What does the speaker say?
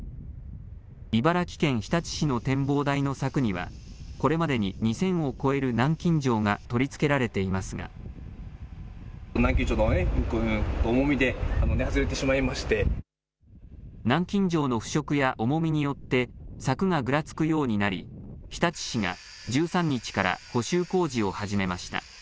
茨城県日立市の展望台の柵にはこれまでに２０００を超える南京錠が取り付けられていますが南京錠の腐食や重みによって柵がぐらつくようになり日立市が１３日から補修工事を始めました。